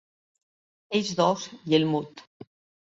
Ells dos i el Mud.